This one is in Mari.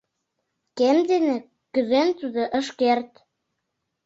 Кем дене кӱзен тудо ыш керт.